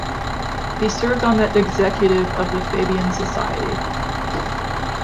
He served on the executive of the Fabian Society.